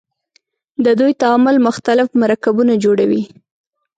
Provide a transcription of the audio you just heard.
د دوی تعامل مختلف مرکبونه جوړوي.